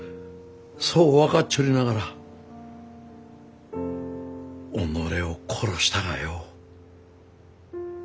そう分かっちょりながら己を殺したがよ。